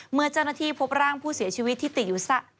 เมื่อเจ้าหน้าที่พบร่างผู้เสียชีวิตที่ติดอยู่ใต้ซากประหลักหักพัง